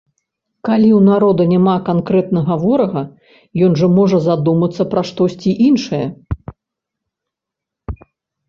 Калі ў народа няма канкрэтнага ворага, ён жа можа задумацца пра штосьці іншае!